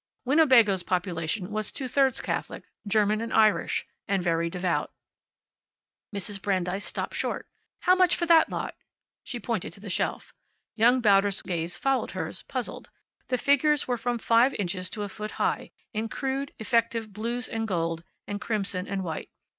Winnebago's population was two thirds Catholic, German and Irish, and very devout. Mrs. Brandeis stopped short. "How much for that lot?" She pointed to the shelf. Young Bauder's gaze followed hers, puzzled. The figures were from five inches to a foot high, in crude, effective blues, and gold, and crimson, and white.